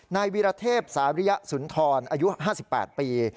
นายวิรเทพสาริยสุนทรอายุ๕๘ปี